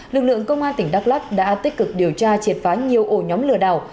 lực lượng công an tỉnh đắk lắc đã tích cực điều tra triệt phá nhiều ổ nhóm lừa đảo